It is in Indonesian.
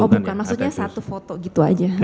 oh bukan maksudnya satu foto gitu aja